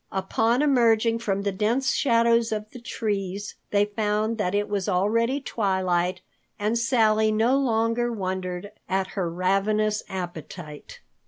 Upon emerging from the dense shadows of the trees, they found that it was already twilight and Sally no longer wondered at her ravenous appetite.